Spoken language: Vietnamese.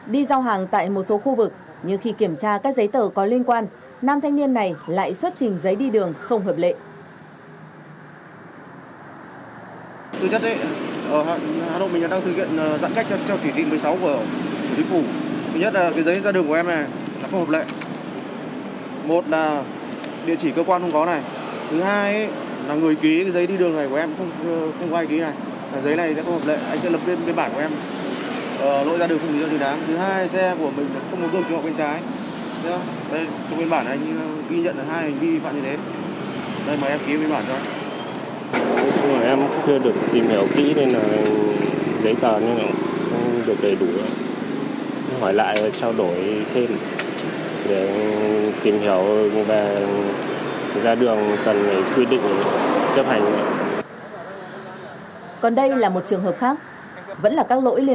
đi giao hàng tại một số khu vực như khi kiểm tra các giấy tờ có liên quan nam thanh niên này lại xuất trình giấy đi đường không hợp lệ